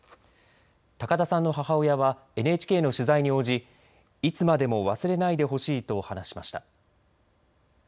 高田さんの母親はＮＨＫの取材に応じ、いつまでも忘れないでほしいと話しました。